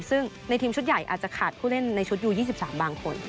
ซึ่งในทีมชุดใหญ่อาจจะขาดผู้เล่นในชุดยู๒๓บางคน